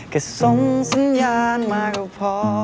ก็ส่งสัญญาณมาก็พอ